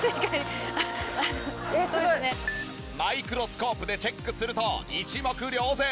マイクロスコープでチェックすると一目瞭然！